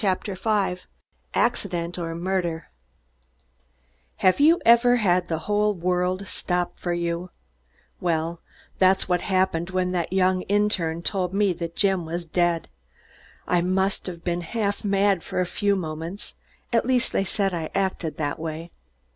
CHAPTER FIVE ACCIDENT OR MURDER Have you ever had the whole world stop for you? Well, that's what happened when that young interne told me that Jim was dead. I must have been half mad for a few moments, at least they said I acted that way.